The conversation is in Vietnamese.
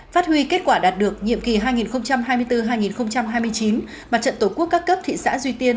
phát huy kết quả đạt được nhiệm kỳ hai nghìn hai mươi bốn hai nghìn hai mươi chín mặt trận tổ quốc các cấp thị xã duy tiên